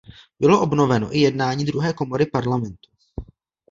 Bylo obnoveno i jednání druhé komory parlamentu.